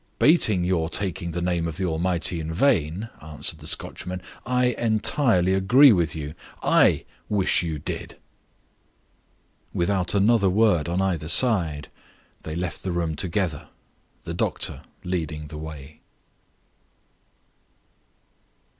"Bating your taking the name of the Almighty in vain," answered the Scotchman, "I entirely agree with you. I wish you did." Without another word on either side, they left the room together the doctor leading the way.